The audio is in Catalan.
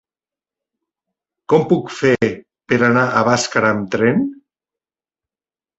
Com ho puc fer per anar a Bàscara amb tren?